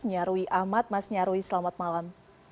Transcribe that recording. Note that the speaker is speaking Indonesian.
nyarwi ahmad mas nyarwi selamat malam